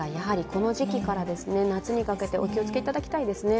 この時期から夏にかけてお気をつけいただきたいですね。